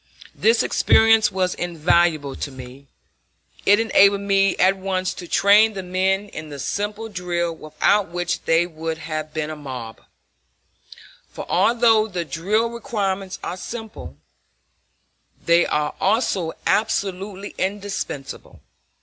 This experience was invaluable to me. It enabled me at once to train the men in the simple drill without which they would have been a mob; for although the drill requirements are simple, they are also absolutely indispensable.